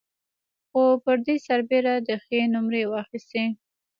خو پر دې سربېره ده ښې نومرې واخيستې.